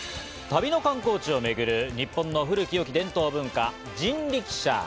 旅の観光地を巡る日本の古き伝統文化・人力車。